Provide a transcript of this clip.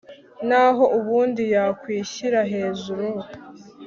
naho ubundi yakwishyira hejuru